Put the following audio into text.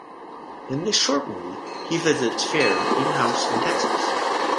In this short movie he visits Fair in house in Texas.